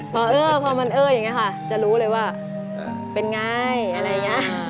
พอเออพอมันเอออย่างนี้ค่ะจะรู้เลยว่าเป็นไงอะไรอย่างนี้